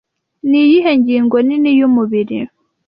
Niyihe ngingo nini yumubiri